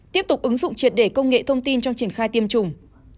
tiếp tục ứng dụng triệt để công nghệ thông tin trong triển khai tiêm chủng